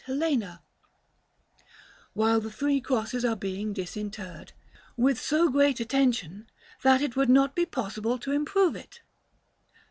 Helena while the three Crosses are being disinterred with so great attention, that it would not be possible to improve it.